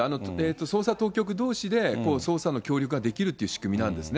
捜査当局どうしで捜査の協力ができるという仕組みなんですね。